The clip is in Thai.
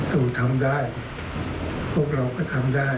ถูกทำได้พวกเราก็ทำได้